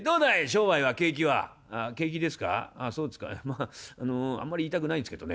あのあんまり言いたくないんですけどね」。